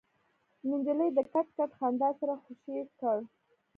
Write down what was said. نجلۍ له کټ کټ خندا سره خوشې کړ.